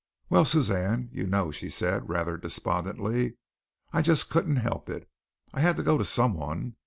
"Well, Suzanne, you know," she said, rather despondently, "I just couldn't help it. I had to go to someone.